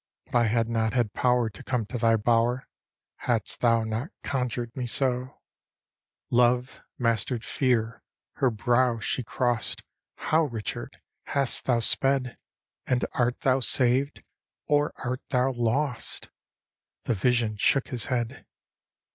But I had not had power to come to thy bower, Hadst thou not conjured me so." D,gt,, erihyGOOgle The Eve of Si. John Love master'd fear — her brow she cross'd; " How, Richard, h^t thou sped? And art thou saved or art thou lost? "— The vision shook his head!